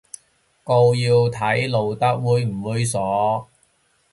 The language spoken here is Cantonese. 告要睇露得猥唔猥褻